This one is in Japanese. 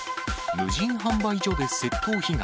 無人販売所で窃盗被害。